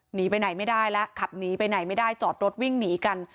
หนีไปไหนไม่ได้แล้วขับหนีไปไหนไม่ได้จอดรถวิ่งหนีกัน